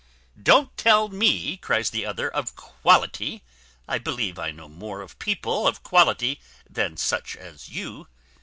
"Don't tell me," cries the other, "of quality! I believe I know more of people of quality than such as you.